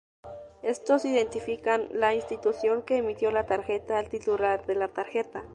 Estos identifican la institución que emitió la tarjeta al titular de la tarjeta.